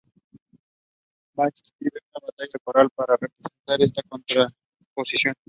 Brahms escribe una batalla coral para representar esta contraposición.